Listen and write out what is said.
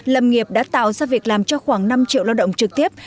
lâm nghiệp đã tạo ra việc làm cho khoảng năm triệu lao động trực tiếp